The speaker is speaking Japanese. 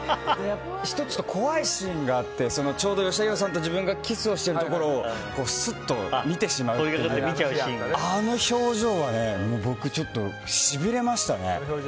１つちょっと怖いシーンがあってちょうど吉田羊さんと自分がキスをしているところをすっと見てしまう時のあの表情は僕、ちょっとしびれましたね。